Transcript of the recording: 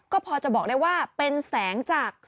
ก็พอจะบอกได้ว่าเป็นแสงจาก